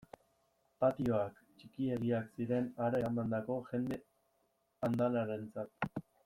Patioak txikiegiak ziren hara eramandako jende andanarentzat.